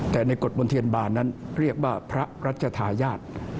แต่ในกฎบนเทียนบานนั้นเรียกว่าพระราชทายาท